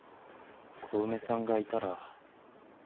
小梅さんがいたら。